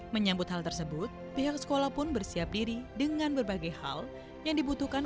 menyambut hal tersebut pihak sekolah pun bersiap diri dengan berbagai hal yang dibutuhkan